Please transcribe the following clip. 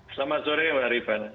selamat sore mbak riva